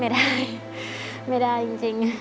ไม่ได้ไม่ได้จริง